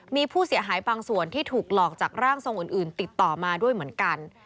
มีผู้เสียหายบางส่วนที่ถูกหลอกจากร่างทรงอื่นติดต่อมาด้วยเหมือนกัน